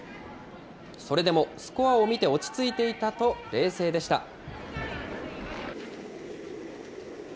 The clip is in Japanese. それでも、スコアを見て落ち着いていたと冷静でした。